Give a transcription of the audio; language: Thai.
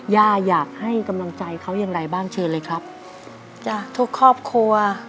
ย่าอยากให้กำลังใจเขาอย่างไรบ้างเชิญเลยครับจ้ะทุกครอบครัว